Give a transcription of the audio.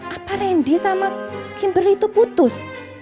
apa randy sama kimber itu putus